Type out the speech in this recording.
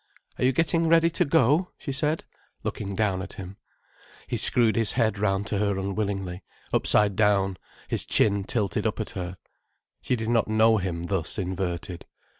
"Are you getting ready to go?" she said, looking down at him. He screwed his head round to her unwillingly, upside down, his chin tilted up at her. She did not know him thus inverted.